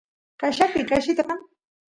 chayllapi qayllita kan